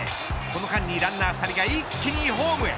この間にランナー２人が一気にホームへ。